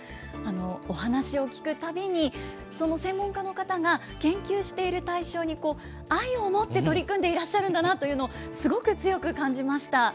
お話を聞くたびに、その専門家の方が、研究している対象に愛を持って取り組んでいらっしゃるんだなというのをすごく強く感じました。